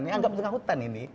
ini anggap di tengah hutan ini